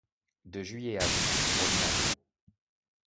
De juillet à août pour l'imago.